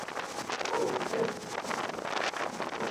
সেখানে শিশুরা রাঙাবে নিজের টি-শার্ট, বর্ণিল বর্ণে সাজাবে নিজের মতো করে।